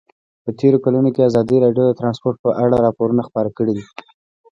په تېرو کلونو کې ازادي راډیو د ترانسپورټ په اړه راپورونه خپاره کړي دي.